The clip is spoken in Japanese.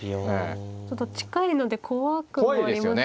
ちょっと近いので怖くもありますよね。